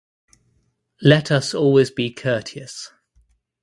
Let us always be courteous.